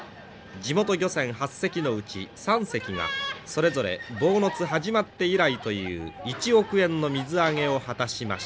地元漁船８隻のうち３隻がそれぞれ坊津始まって以来という１億円の水揚げを果たしました。